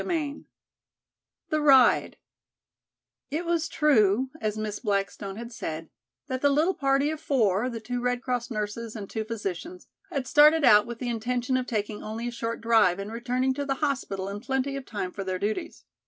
CHAPTER VI The Ride IT was true, as Miss Blackstone had said, that the little party of four, the two Red Cross nurses and two physicians, had started out with the intention of taking only a short drive and returning to the hospital in plenty of time for their duties.